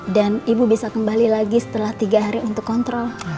dan ibu bisa kembali lagi setelah tiga hari untuk kontrol